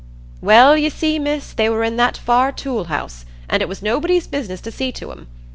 "Well, you see, Miss, they were in that far tool house, an' it was nobody's business to see to 'em.